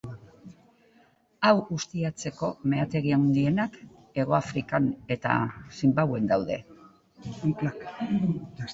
Hau ustiatzeko meategi handienak Hegoafrikan eta Zimbabwen daude.